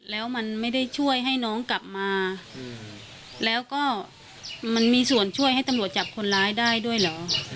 แล้วมันไม่ได้ช่วยให้น้องกลับมาแล้วก็มันมีส่วนช่วยให้ตำรวจจับคนร้ายได้ด้วยเหรอ